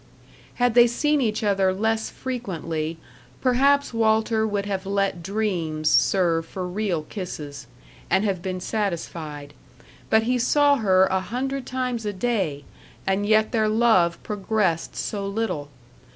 Had they seen each other less frequently, perhaps Walter would have let dreams serve for real kisses, and have been satisfied. But he saw her a hundred times a day and yet their love progressed so little.